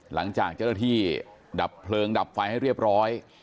หลังจากเจ้าหน้าที่ดับเพลิงดับไฟให้เรียบร้อย